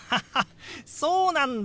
そうなんだよ！